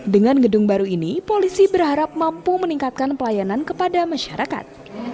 dengan gedung baru ini polisi berharap mampu meningkatkan pelayanan kepada masyarakat